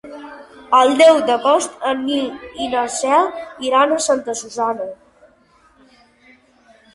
El deu d'agost en Nil i na Cel iran a Santa Susanna.